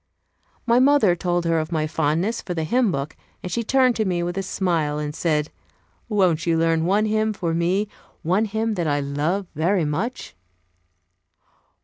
My mother told her of my fondness for the hymn book, and she turned to me with a smile and said, "Won't you learn one hymn for me one hymn that I love very much?"